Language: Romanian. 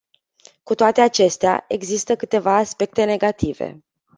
Cu toate acestea, există câteva aspecte negative.